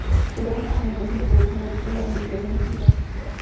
Creó una comunidad de producción agrícola e investigación científica.